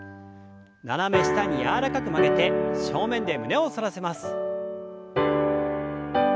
斜め下に柔らかく曲げて正面で胸を反らせます。